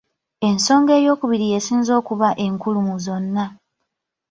Ensonga eyookubiri y'esinze okuba enkulu mu zonna.